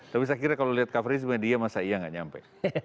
tapi saya kira kalau lihat covernya sebenarnya dia masa iya nggak nyampe